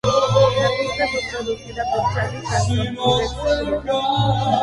La pista fue producida por Charlie Handsome y Rex Kudo.